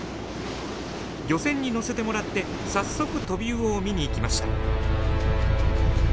漁船に乗せてもらって早速トビウオを見に行きました。